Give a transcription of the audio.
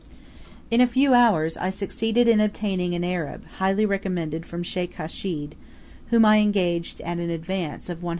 In a few hours I succeeded in obtaining an Arab highly recommended from Sheikh Hashid, whom I engaged at an advance of $100.